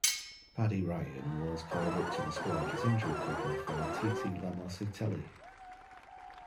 Paddy Ryan was called up to the squad as injury cover for Titi Lamositele.